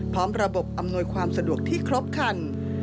พร้อมระบบอำนวยความสะดวกที่ครบคัน